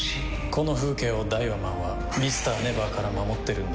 この風景をダイワマンはＭｒ．ＮＥＶＥＲから守ってるんだ。